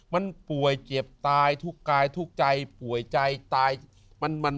มันป่วยเจ็บตายทุกกายทุกใจป่วยใจตาย